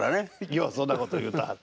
ようそんなこと言うてはる。